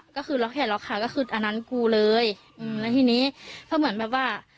ก็คือล็อกแขนล็อกขาก็คืออันนั้นกูเลยอืมแล้วทีนี้ก็เหมือนแบบว่า